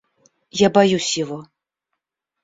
Я боюсь его.